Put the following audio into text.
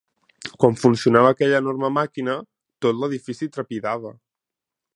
Quan funcionava aquella enorme màquina, tot l'edifici trepidava.